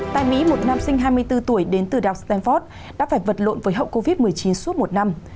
tại mỹ một nam sinh hai mươi bốn tuổi đến từ đảo stanford đã phải vật lộn với hậu covid một mươi chín suốt một năm